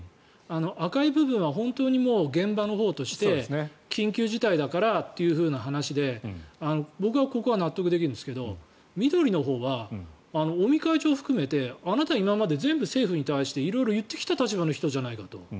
赤い部分は本当に現場のほうとして緊急事態だからという話で僕はここは納得できるんですが緑のほうは尾身会長を含めてあなた、今まで全部政府に対して色々言ってきた立場じゃないかと。